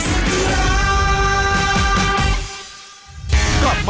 ในช่วงนี้ก็ถึงเวลากับศึกแห่งศักดิ์ศรีของฝ่ายชายกันบ้างล่ะครับ